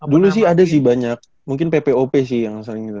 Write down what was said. dulu sih ada sih banyak mungkin ppop sih yang sering gitu